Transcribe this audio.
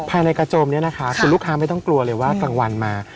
ภายในกระโจมนี้นะคะคือลูกค้าไม่ต้องกลัวเลยว่ากลางวันมา